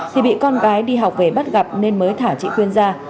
thì bị con gái đi học về bắt gặp nên mới thả chị khuyên ra